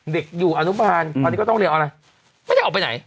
เด็กอยู่อนุบาลตอนนี้ก็ต้องเรียนออนไลน์ไม่ได้ออกไปไหน